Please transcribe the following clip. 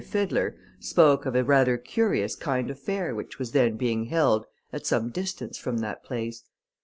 Fiddler, spoke of a rather curious kind of fair which was then being held at some distance from that place.